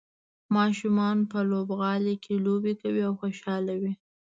ماشومان په لوبغالي کې لوبې کوي او خوشحاله وي.